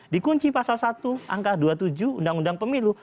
dikunci pasal satu angka dua puluh tujuh undang undang pemilu